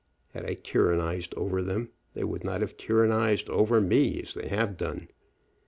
Had I tyrannized over them, they would not have tyrannized over me as they have done.